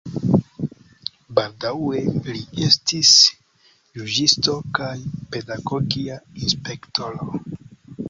Baldaŭe li estis juĝisto kaj pedagogia inspektoro.